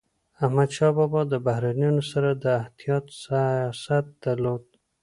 احمدشاه بابا د بهرنيانو سره د احتیاط سیاست درلود.